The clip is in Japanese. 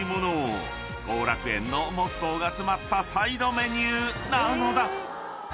［幸楽苑のモットーが詰まったサイドメニューなのだ］